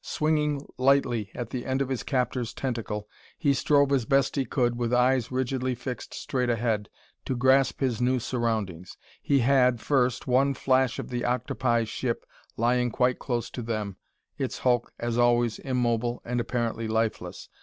Swinging lightly at the end of his captor's tentacle, he strove as best he could, with eyes rigidly fixed straight ahead, to grasp his new surroundings. He had, first, one flash of the octopi ship lying quite close to them, its hulk, as always, immobile and apparently lifeless.